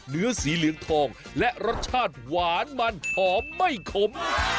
เนื้อสีเหลืองทองและรสชาติหวานมันหอมไม่ขม